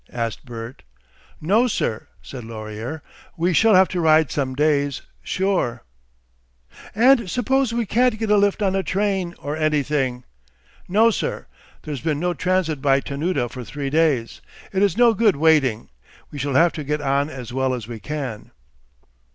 asked Bert. "No, sir!" said Laurier. "We shall have to ride some days, sure!" "And suppose we can't get a lift on a train or anything?" "No, sir! There's been no transit by Tanooda for three days. It is no good waiting. We shall have to get on as well as we can."